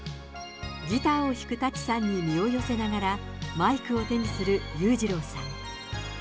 ギターを弾く舘さんに身を寄せながらマイクを手にする裕次郎さん。